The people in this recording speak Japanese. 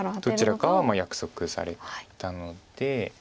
どちらかは約束されたので。